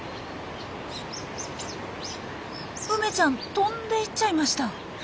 梅ちゃん飛んで行っちゃいました。